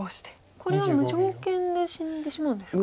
これは無条件で死んでしまうんですか？